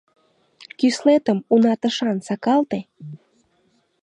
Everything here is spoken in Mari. Кӱслетым уна тышан сакалте.